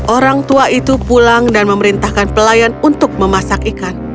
orang tua itu pulang dan memerintahkan pelayan untuk memasak ikan